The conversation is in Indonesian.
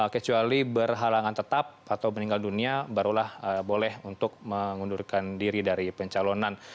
kecuali berhalangan tetap atau meninggal dunia barulah boleh untuk mengundurkan diri dari pencalonan